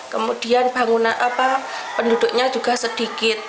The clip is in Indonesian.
kemudian penduduknya juga sedikit